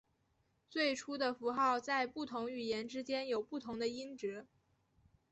最初的符号在不同语言之间有不同的音值。